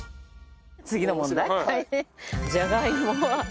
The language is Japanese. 次の問題。